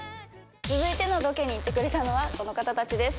続いてのロケに行ってくれたのはこの方たちです。